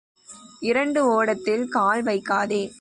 இரண்டு ஓடத்தில் கால் வைக்காதே.